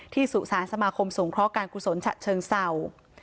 สุสานสมาคมสงเคราะห์การกุศลฉะเชิงเศร้า